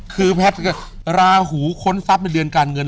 คือแพทย์ราหูค้นทรัพย์ในเดือนการเงิน